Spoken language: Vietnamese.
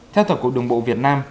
theo tổng cục đồng bộ việt nam